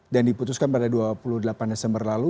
dan diputuskan pada dua puluh delapan desember lalu